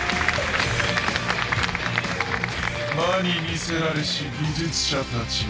魔に魅せられし技術者たちよ。